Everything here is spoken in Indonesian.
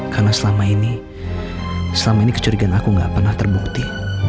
karena selama ini selama ini kecurigaan aku gak pernah terbukti